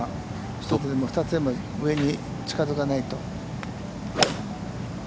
１つでも２つでも上に近づかないと。